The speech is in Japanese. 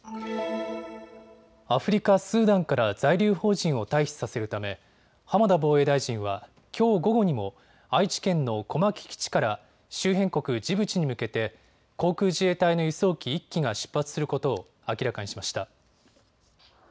アフリカ・スーダンから在留邦人を退避させるため浜田防衛大臣はきょう午後にも愛知県の小牧基地から周辺国ジブチに向けて航空自衛隊の輸送機１機が出発することを明らかにしました。